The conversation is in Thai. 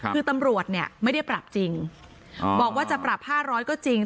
คือตำรวจเนี่ยไม่ได้ปรับจริงบอกว่าจะปรับ๕๐๐ก็จริง